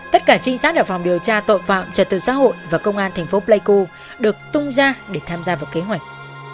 tất cả trinh sát ở phòng điều tra tội phạm trật tự xã hội và công an thành phố pleiku được tung ra để tham gia vào kế hoạch